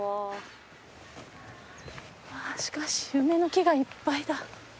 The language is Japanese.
しかし梅の木がいっぱいだ。